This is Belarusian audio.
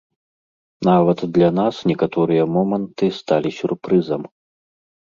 Нават для нас некаторыя моманты сталі сюрпрызам.